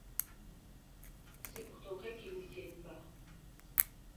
C’est pourtant vrai qu’ils n’y tiennent pas !